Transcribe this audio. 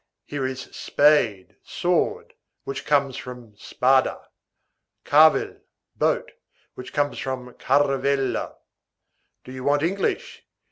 Here is spade, sword, which comes from spada; carvel, boat, which comes from caravella. Do you want English?